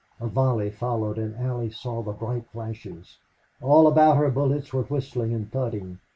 A volley followed and Allie saw the bright flashes. All about her bullets were whistling and thudding.